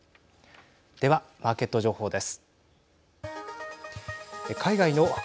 では、マーケット情報です。